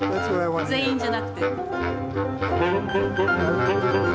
全員じゃなくて。